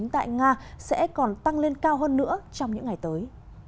tại nga sẽ còn tăng lên cao hơn nữa trong những ngày tới